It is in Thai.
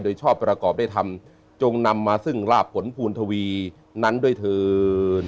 โดยชอบประกอบด้วยธรรมจงนำมาซึ่งลาบผลภูณทวีนั้นด้วยเถิน